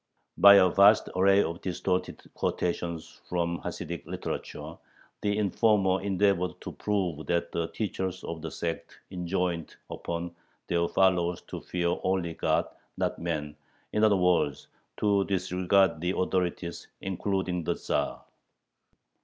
By a vast array of distorted quotations from Hasidic literature the informer endeavored to prove that the teachers of the sect enjoined upon their followers to fear only God and not men, in other words, to disregard the authorities, including the Tzar.